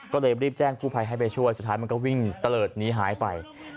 ก็เลยรีบแจ้งกู้ภัยให้ไปช่วยสุดท้ายมันก็วิ่งตะเลิศหนีหายไป